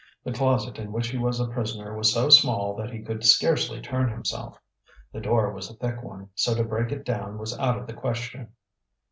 The closet in which he was a prisoner was so small that he could scarcely turn himself. The door was a thick one, so to break it down was out of the question.